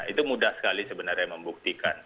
itu mudah sekali sebenarnya membuktikan